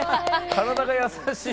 体が優しい。